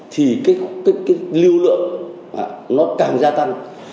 thì cái lưu lượng nó càng gia tăng